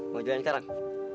mau jalan sekarang